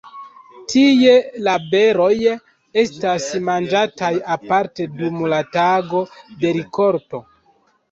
Tie la beroj estas manĝataj aparte dum la Tago de rikolto.